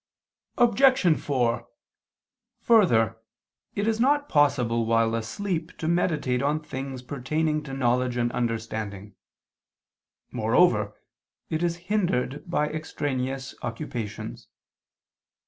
Obj. 4: Further, it is not possible while asleep to meditate on things pertaining to knowledge and understanding: moreover it is hindered by extraneous occupations.